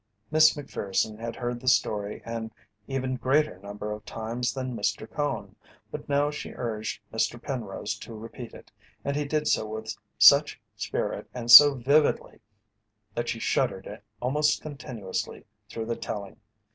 Miss Macpherson had heard the story an even greater number of times than Mr. Cone, but now she urged Mr. Penrose to repeat it, and he did so with such spirit and so vividly that she shuddered almost continuously through the telling.